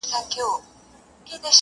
او پای يې خلاص پاته کيږي,